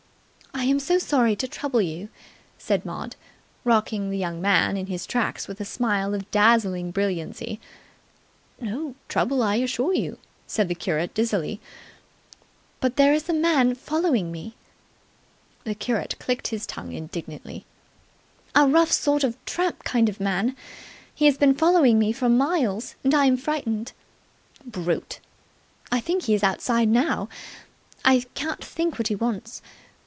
"I am so sorry to trouble you," said Maud, rocking the young man in his tracks with a smile of dazzling brilliancy ("No trouble, I assure you," said the curate dizzily) "but there is a man following me!" The curate clicked his tongue indignantly. "A rough sort of a tramp kind of man. He has been following me for miles, and I'm frightened." "Brute!" "I think he's outside now. I can't think what he wants.